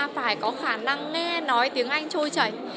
phải có khả năng nghe nói tiếng anh trôi chảy